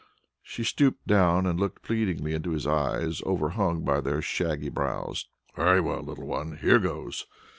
She stooped down and looked pleadingly into his eyes overhung by their shaggy brows. "Very well, little one! Here goes!"